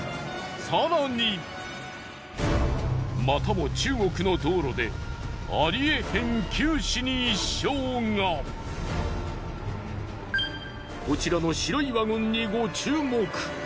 またも中国の道路でこちらの白いワゴンにご注目。